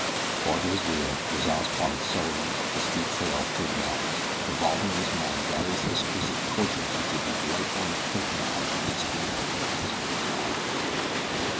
Far to his rear Rozales plodded sullenly up the steep trail through the mountains, revolving in his mind various exquisite tortures he should be delighted to inflict upon the next gringo who came into his power.